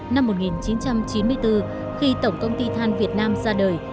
năm một nghìn chín trăm chín mươi bốn khi tổng công ty than việt nam ra đời